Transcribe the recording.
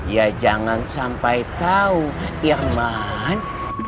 ya jangan sampai tahu irman